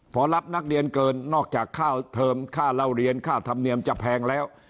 พอรับนักเรียนเกินนอกจากค่าเทิมค่าเล่าเรียนค่าธรรมเนียมจะแพงแล้ว